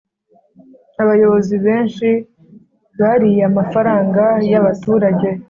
Abayobozi benshi bariye amafaranga yaba turage